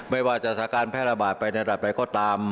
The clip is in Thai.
ไม่ว่าจัดสการแพร่ระบาดไประดับไหนก็ตาม